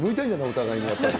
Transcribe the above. お互いにやっぱり。